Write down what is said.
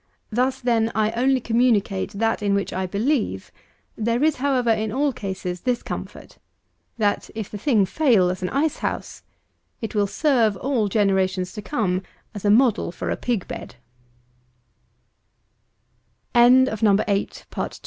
Thus, then, I only communicate that in which I believe; there is, however, in all cases, this comfort, that if the thing fail as an ice house, it will serve all generations to come as a model for a